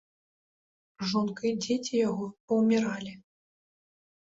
Жонка і дзеці яго паўміралі.